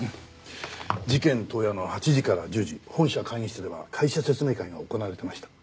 事件当夜の８時から１０時本社会議室では会社説明会が行われてました。